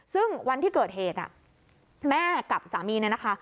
ซึ่งวันที่เกิดเหตุแม่กับสามีเนี่ยนะคะ